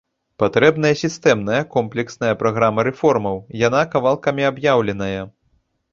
Патрэбная сістэмная комплексная праграма рэформаў, яна кавалкамі аб'яўленая.